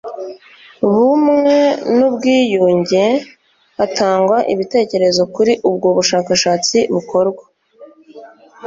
bumwe n ubwiyunge hatangwa ibitekerezo kuri ubwo bushakashatsi bukorwa